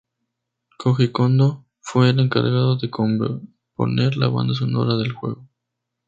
Koji Kondo fue el encargado de componer la banda sonora del juego.